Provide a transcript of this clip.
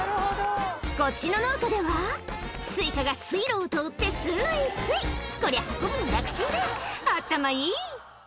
こっちの農家ではスイカが水路を通ってスイスイこりゃ運ぶの楽ちんだ頭いい！